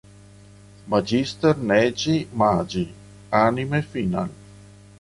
Magister Negi Magi: Anime Final".